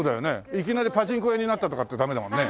いきなりパチンコ屋になったとかってダメだもんね。